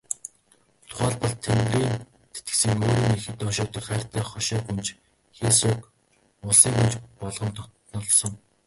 Тухайлбал, Тэнгэрийн тэтгэсэн өөрийн ихэд ойшоодог хайртай хошой гүнж Хэсяог улсын гүнж болгон дотнолсон.